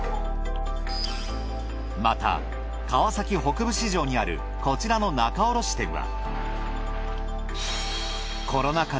また川崎北部市場にあるこちらの仲卸店は。